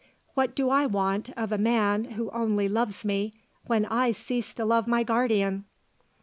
What do I want of a man who only loves me when I cease to love my guardian?"